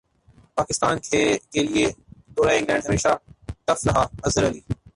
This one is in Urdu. پاکستان کیلئے دورہ انگلینڈ ہمیشہ ٹف رہا اظہر علی